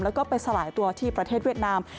แล้วก็ไปสลายตัวที่ประเทศเวียดนาม